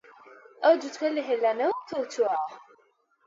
ئەو جووچکە لە هێلانەوە کەوتووە